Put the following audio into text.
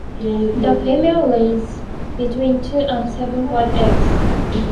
The female lays between two and seven white eggs.